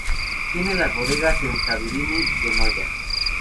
Tiene las bodegas en San Sadurní de Noya.